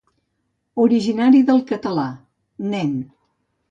Originari del català "nen".